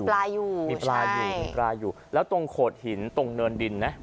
ปลาอยู่มีปลาอยู่มีปลาอยู่แล้วตรงโขดหินตรงเนินดินนะ